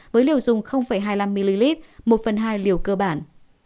với liều dùng hai mươi năm ml một phần hai liều cơ bản